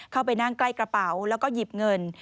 เข้าไปนั่งใกล้กระเป๋าแล้วก็หยิบเงิน